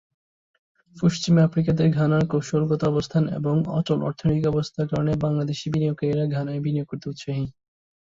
পশ্চিম আফ্রিকাতে ঘানার কৌশলগত অবস্থান এবং অটল অর্থনৈতিক অবস্থার কারণে বাংলাদেশি বিনিয়োগকারীরা ঘানায় বিনিয়োগ করতে উৎসাহী।